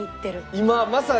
今まさに？